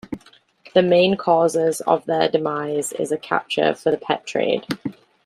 The main causes of their demise is capture for the pet trade.